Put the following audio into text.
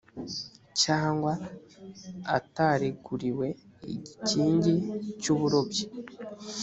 cyangwa atareguriwe igikingi cy uburobyi